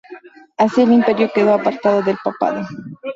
Así el imperio quedó ‘apartado’ del papado.